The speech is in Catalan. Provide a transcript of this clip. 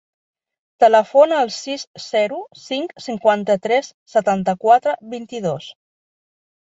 Telefona al sis, zero, cinc, cinquanta-tres, setanta-quatre, vint-i-dos.